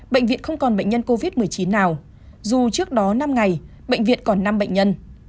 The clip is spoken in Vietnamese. bệnh viện không còn bệnh nhân covid một mươi chín nào dù trước đó năm ngày bệnh viện còn năm bệnh nhân